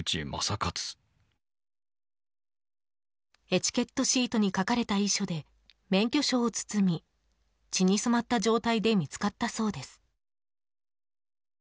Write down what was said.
エチケットシートに書かれた遺書で、免許証を包み血に染まった状態で見つかったそうです。